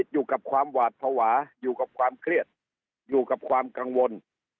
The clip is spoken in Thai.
อยู่กับความเครียดอยู่กับความกังวล